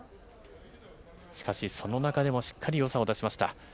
しかし、その中でもしっかりよさを出しました。